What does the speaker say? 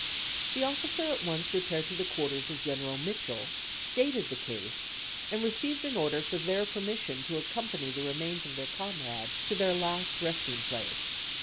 The officer at once repaired to the quarters of General Mitchell, stated the case and received an order for their permission to accompany the remains of their comrade to their last resting place.